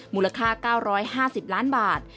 มูลค่า๙๕๐ล้านบาท